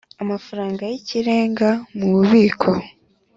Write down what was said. amafaranga y ikirenga mu bubiko